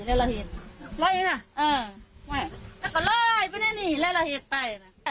แล้วเราเห็นรอยอันนี้น่ะเออไม่แล้วก็รอยไปนี่นี่แล้วเราเห็นไปน่ะ